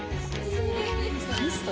ミスト？